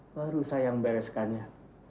baru saya yang bereskannya